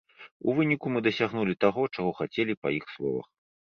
У выніку мы дасягнулі таго, чаго хацелі, па іх словах.